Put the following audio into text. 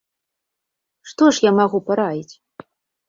Што ж я магу параіць?!